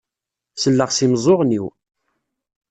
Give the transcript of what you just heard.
Selleɣ s imeẓẓuɣen-iw.